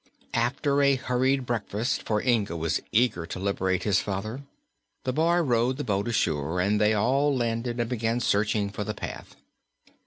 After a hurried breakfast, for Inga was eager to liberate his father, the boy rowed the boat ashore and they all landed and began searching for the path.